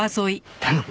頼む！